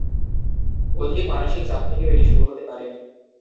অধিক মানসিক চাপ থেকেও এটি শুরু হতে পারে।